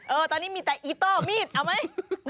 ตอนนี้มีแต่อีโต้มีดเอาไหม